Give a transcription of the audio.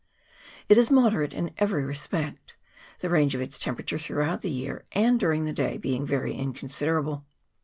It is moderate in every respect, the range of its tem perature throughout the year and during the day being very inconsiderable.